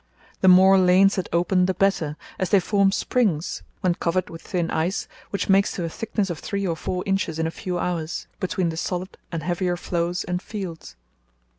The more lanes that open the better, as they form 'springs' (when covered with thin ice, which makes to a thickness of three or four inches in a few hours) between the solid and heavier floes and fields.